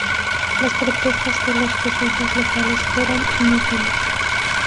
Las protestas de los jesuitas locales fueron inútiles.